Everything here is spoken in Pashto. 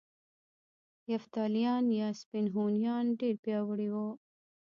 یفتلیان یا سپین هونیان ډیر پیاوړي وو